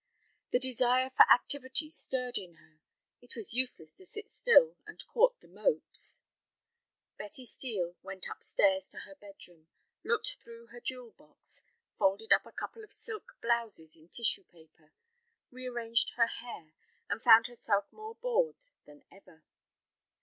The desire for activity stirred in her; it was useless to sit still and court the mopes. Betty Steel went up stairs to her bedroom, looked through her jewel box, folded up a couple of silk blouses in tissue paper, rearranged her hair, and found herself more bored than ever.